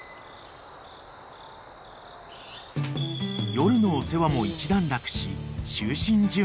［夜のお世話も一段落し］